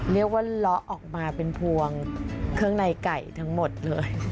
เลาะออกมาเป็นพวงเครื่องในไก่ทั้งหมดเลย